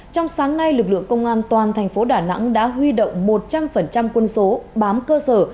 trong sáng nay lực lượng công an toàn thành phố đà nẵng đã huy động một trăm linh quân số bám cơ sở